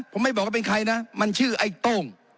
ผมไม่บอกว่าเป็นใครนะมันชื่อไอ้โต้ง